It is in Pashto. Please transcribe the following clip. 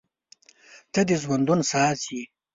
• ته د ژوندون ساز یې.